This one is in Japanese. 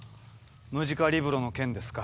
ムジカリブロの件ですか。